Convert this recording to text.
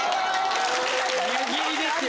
湯切りですよ